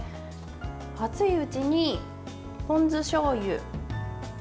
熱いうちに、ポン酢しょうゆ